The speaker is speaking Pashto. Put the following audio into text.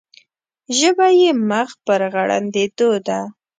ژبه یې مخ پر غړندېدو ده.